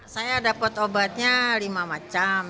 saya beli sendiri di luar